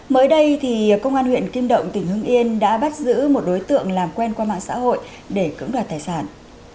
mới đây công an huyện kim động tỉnh hưng yên đã bắt giữ một đối tượng làm quen qua mạng xã hội để cưỡng đoạt tài sản